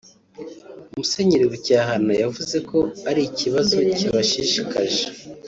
Musenyeri Rucyahana yavuze ko ari ikibazo kibashishikaje